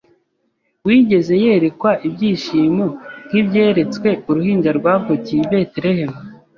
wigeze yerekwa ibyishimo nk’ibyeretswe Uruhinja rwavukiye i Betelehemu.